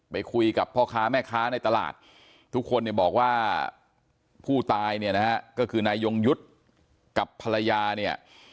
ไปคุยกับพ่อค้าแม่ค้าในตลาดทุกคนเนี่ยบอกว่าผู้ตายเนี่ยนะฮะก็คือนายยงยุทธ์กับภรรยาเนี่ย